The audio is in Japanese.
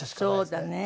そうだね。